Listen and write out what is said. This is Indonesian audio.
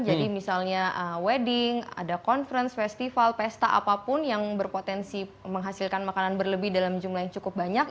jadi misalnya wedding ada conference festival pesta apapun yang berpotensi menghasilkan makanan berlebih dalam jumlah yang cukup banyak